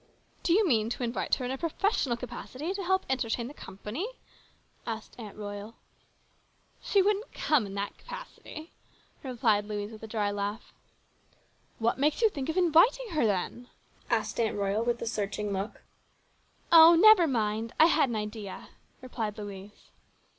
" Do you mean to invite her in a professional capacity to help entertain the company?" asked Aunt Royal. " She wouldn't come in that capacity," replied Louise with a dry laugh. " What makes you think of inviting her then ?" asked Aunt Royal with a searching look. " Oh, never mind. I had an idea," replied Louise.